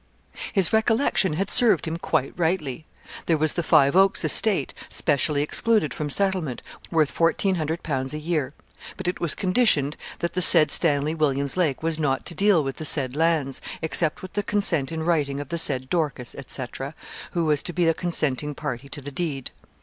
His recollection had served him quite rightly. There was the Five Oaks estate, specially excluded from settlement, worth 1,400_l._ a year; but it was conditioned that the said Stanley Williams Lake was not to deal with the said lands, except with the consent in writing of the said Dorcas, &c., who was to be a consenting party to the deed.